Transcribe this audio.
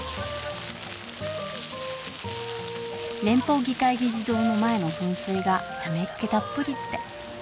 連邦議会議事堂の前の噴水がちゃめっ気たっぷりって。